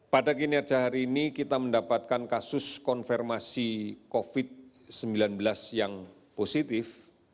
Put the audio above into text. pada kinerja hari ini kita mendapatkan kasus konfirmasi covid sembilan belas yang positif